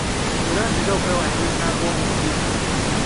Leero nzize okwewandiisa ng'omusibe.